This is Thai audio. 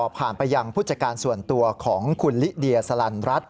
ผ่านไปยังผู้จัดการส่วนตัวของคุณลิเดียสลันรัฐ